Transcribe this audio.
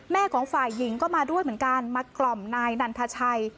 ของฝ่ายหญิงก็มาด้วยเหมือนกันมากล่อมนายนันทชัย